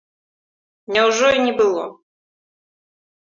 Няўжо і не было?